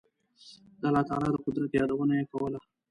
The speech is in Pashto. د الله تعالی د قدرت یادونه یې کوله.